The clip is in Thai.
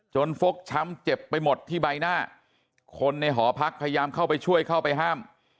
ฟกช้ำเจ็บไปหมดที่ใบหน้าคนในหอพักพยายามเข้าไปช่วยเข้าไปห้าม